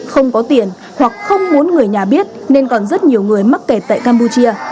không có tiền hoặc không muốn người nhà biết nên còn rất nhiều người mắc kẹt tại campuchia